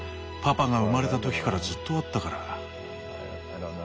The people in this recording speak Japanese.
パパが生まれた時からずっとあったから。